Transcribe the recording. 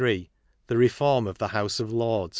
The Reform of the House of Lords.